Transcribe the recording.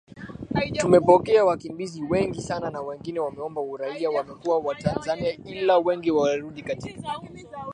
Tumepokea wakimbizi wengi sana na wengine wameomba uraia wamekuwa Watanzania ila wengi werudi katika